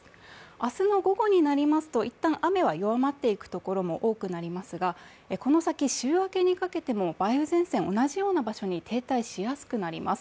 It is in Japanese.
明日の午後になりますと、一旦雨は弱まっていくところも多くなりますが、この先、週明けにかけても梅雨前線、同じような場所に停滞しやすくなります。